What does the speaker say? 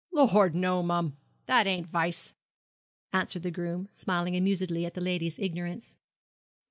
'Lor', no mum. That ain't vice,' answered the groom smiling amusedly at the lady's ignorance.